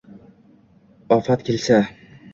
Ofat kelsa